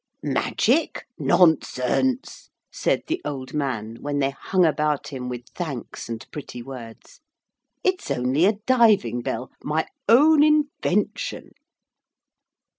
'Magic? Nonsense,' said the old man when they hung about him with thanks and pretty words. 'It's only a diving bell. My own invention.'